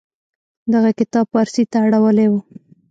دغه کتاب پارسي ته اړولې و.